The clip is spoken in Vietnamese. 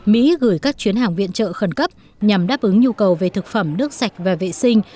mỹ gửi các chuyến hàng viện trợ khẩn cấp nhằm đáp ứng nhu cầu về thực phẩm nước sạch và vệ sinh